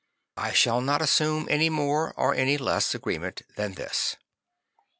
I shall not assume any more or any less agreement than this.